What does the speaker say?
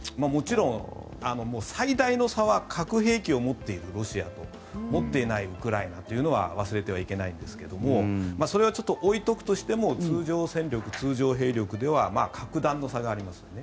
もちろん、最大の差は核兵器を持っているロシアと持っていないウクライナというのは忘れてはいけないんですがそれはちょっと置いておくとしても通常戦力、通常兵力では格段の差があります。